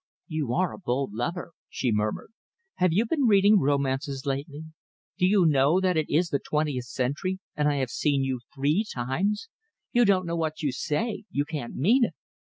"You are a bold lover," she murmured. "Have you been reading romances lately? Do you know that it is the twentieth century, and I have seen you three times? You don't know what you say. You can't mean it."